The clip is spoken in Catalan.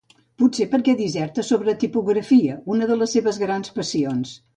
Potser perquè disserta sobre tipografia, una de les seves grans passions.